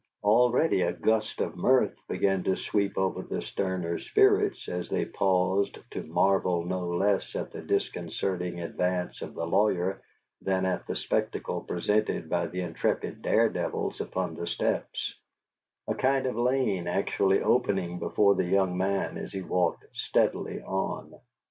Already a gust of mirth began to sweep over the sterner spirits as they paused to marvel no less at the disconcerting advance of the lawyer than at the spectacle presented by the intrepid dare devils upon the steps; a kind of lane actually opening before the young man as he walked steadily on.